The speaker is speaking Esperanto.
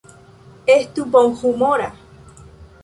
Estu bonhumora.